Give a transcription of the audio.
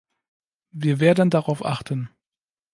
Wir werden darauf achten.